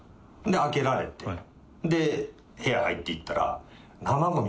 で開けられてで部屋入っていったら。